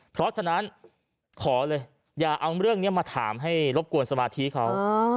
เพราะฉะนั้นขอเลยอย่าเอาเรื่องนี้มาถามให้รบกวนสมาธิเขา